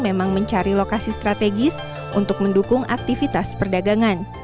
memang mencari lokasi strategis untuk mendukung aktivitas perdagangan